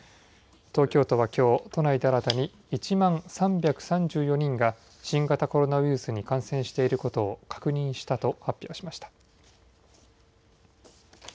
東京都はきょう、都内で新たに１万３３４人が、新型コロナウイルスに感染していることを確認したと発表しました。